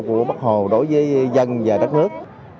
của bắc hồ đối với dân và đất nước